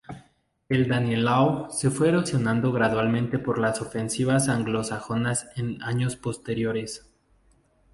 El Danelaw se fue erosionado gradualmente por las ofensivas anglosajonas en años posteriores.